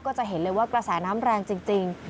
จะเห็นเลยว่ากระแสน้ำแรงจริง